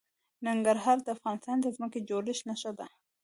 ننګرهار د افغانستان د ځمکې د جوړښت نښه ده.